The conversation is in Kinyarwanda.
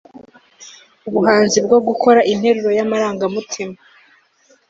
ubuhanzi bwo gukora interuro y'amarangamutima